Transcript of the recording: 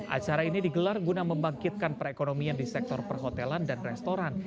acara ini digelar guna membangkitkan perekonomian di sektor perhotelan dan restoran